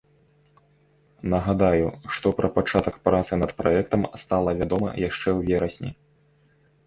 Нагадаю, што пра пачатак працы над праектам стала вядома яшчэ ў верасні.